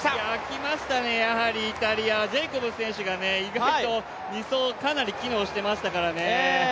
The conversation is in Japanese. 来ましたね、やはりイタリアジェイコブス選手が意外と２走、かなり機能してましたからね。